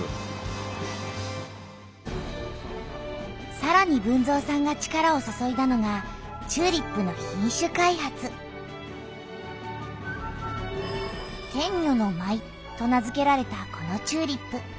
さらに豊造さんが力を注いだのがチューリップの「天女の舞」と名づけられたこのチューリップ。